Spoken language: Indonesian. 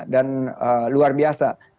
dan luar biasa